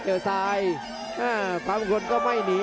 โอ้โหไม่พลาดกับธนาคมโด้แดงเขาสร้างแบบนี้